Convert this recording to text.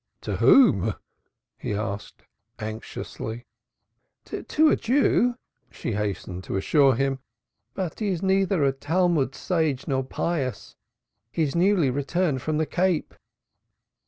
"To whom?" he asked anxiously. "To a Jew," she hastened to assure him, "But he is neither a Talmud sage nor pious. He is newly returned from the Cape."